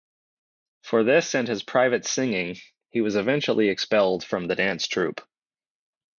For this and his private singing, he was eventually expelled from the dance troupe.